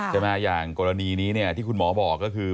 จะมาอย่างกรณีนี้ที่คุณหมอบอกก็คือ